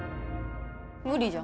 無理じゃん。